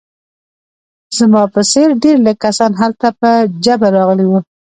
زما په څېر ډېر لږ کسان هلته په جبر راغلي وو